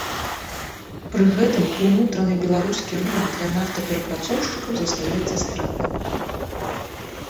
Пры гэтым унутраны беларускі рынак для нафтаперапрацоўшчыкаў застаецца стратным.